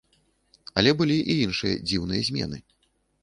Але былі і іншыя дзіўныя змены.